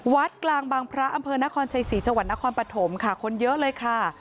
วัดกลางบางพระอำเภอนครชัยศรีจังหวัดนครปฐมค่ะคนเยอะเลยค่ะ